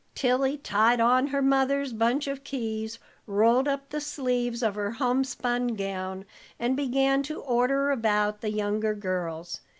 Tilly tied on her mother's bunch of keys, rolled up the sleeves of her homespun gown, and began to order about the younger girls.